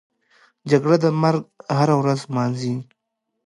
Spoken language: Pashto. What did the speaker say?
جګړه د مرګ هره ورځ نمانځي